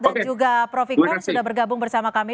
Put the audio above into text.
dan juga prof ikrar sudah bergabung bersama kami